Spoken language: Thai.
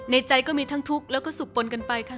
ใจก็มีทั้งทุกข์แล้วก็สุขปนกันไปค่ะ